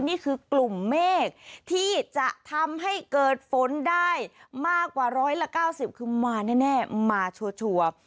นี่คือกลุ่มเมฆที่จะทำให้เกิดฝนได้มากกว่าร้อยละ๙๐คือมาแน่มาชัวร์